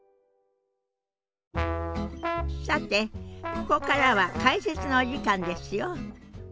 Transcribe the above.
さてここからは解説のお時間ですよ。